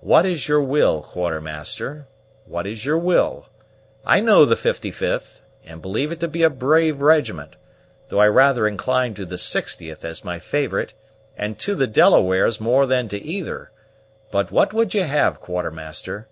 "What is your will, Quartermaster? what is your will? I know the 55th, and believe it to be a brave regiment; though I rather incline to the 60th as my favorite, and to the Delawares more than to either; but what would you have, Quartermaster?